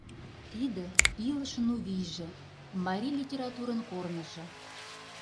Тиде — илышын у вийже, марий литературын корныжо.